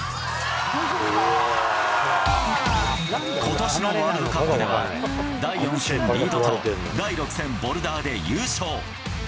ことしのワールドカップでは、第４戦リードと第６戦ボルダーで優勝。